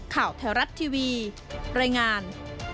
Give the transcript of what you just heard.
ข่าวแถวรัฐทีวีรายงาน